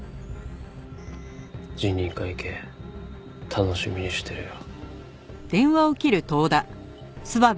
辞任会見楽しみにしてるよ。